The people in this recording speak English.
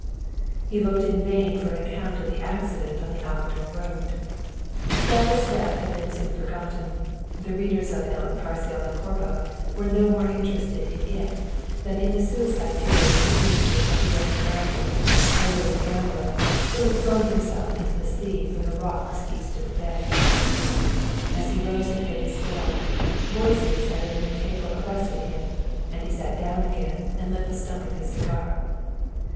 He looked in vain for an account of the accident on the Alcador road. Galva's death had been soon forgotten, the readers of El Imparcial de Corbo were no more interested in it than in the suicide two days previously of the young American, a ruined gambler, who had thrown himself into the sea from the rocks east of the bay. As he rose to pay his bill, voices at a near table arrested him, and he sat down again and lit the stump of his cigar.